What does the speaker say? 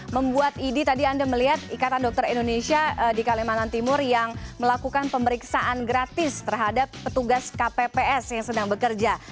membuat idi tadi anda melihat ikatan dokter indonesia di kalimantan timur yang melakukan pemeriksaan gratis terhadap petugas kpps yang sedang bekerja